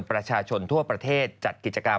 ประชาชนทั่วประเทศจัดกิจกรรม